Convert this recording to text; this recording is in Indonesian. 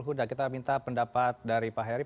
huda kita minta pendapat dari pak heri